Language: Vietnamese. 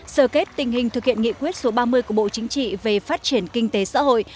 sở kết tình hình thực hiện nghị quyết số ba mươi của bộ chính trị về phát triển kinh tế xã hội